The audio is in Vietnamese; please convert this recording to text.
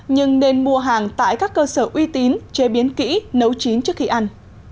nhưng nên mua hàng tại các cơ sở uy tín chế biến kỹ nấu chín trước khi ăn